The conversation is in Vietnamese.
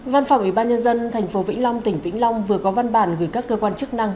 văn phòng ủy ban nhân dân tp vĩnh long tỉnh vĩnh long vừa có văn bản gửi các cơ quan chức năng